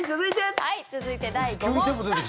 続いて第５問。